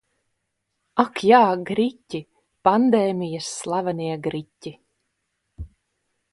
Ak, jā, griķi. Pandēmijas slavenie griķi.